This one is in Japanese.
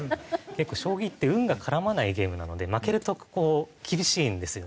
結構将棋って運が絡まないゲームなので負けるとこう厳しいんですよね。